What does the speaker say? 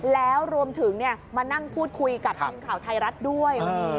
แล้วรวมถึงมานั่งพูดคุยกับทีมข่าวไทยรัฐด้วย